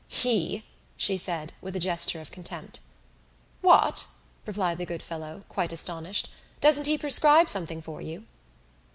"He!" she said with a gesture of contempt. "What!" replied the good fellow, quite astonished, "doesn't he prescribe something for you?"